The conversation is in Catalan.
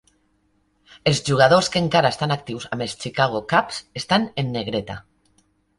Els jugadors que encara estan actius amb els Chicago Cubs estan en negreta.